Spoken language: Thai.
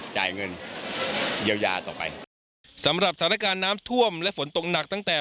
จ่ายเงินเยียวยาต่อไปสำหรับสถานการณ์น้ำท่วมและฝนตกหนักตั้งแต่